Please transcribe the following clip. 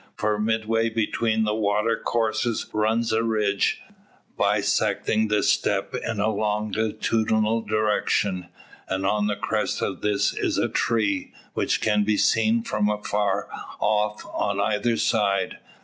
For midway between the water courses runs a ridge, bisecting the steppe in a longitudinal direction; and on the crest of this is a tree, which can be seen from afar off on either side.